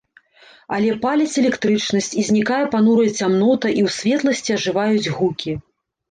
Але паляць электрычнасць, і знікае панурая цямнота, і ў светласці ажываюць гукі.